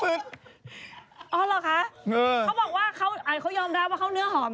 เขาบอกว่าเขายอมรับว่าเขาเนื้อหอม